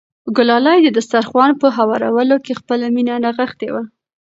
ګلالۍ د دسترخوان په هوارولو کې خپله مینه نغښتې وه.